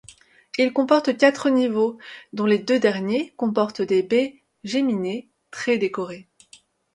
Il comporte quatre niveaux dont les deux derniers comportent des baies géminées très décorées.